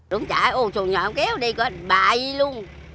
đúng chạy ô trù nhỏ không kéo đi bại luôn